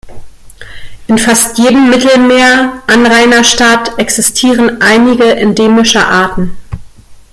In fast jedem Mittelmeer-Anrainerstaat existieren einige endemische Arten.